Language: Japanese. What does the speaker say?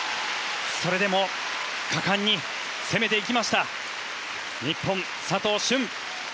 それでも果敢に攻めていきました日本、佐藤駿。